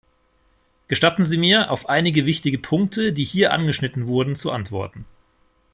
Gestatten Sie mir, auf einige wichtige Punkte, die hier angeschnitten wurden, zu antworten.